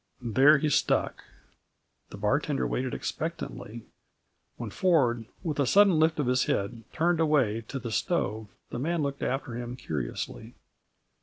There he stuck. The bartender waited expectantly. When Ford, with a sudden lift of his head, turned away to the stove, the man looked after him curiously.